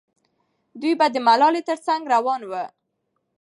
دوی به د ملالۍ تر څنګ روان وو.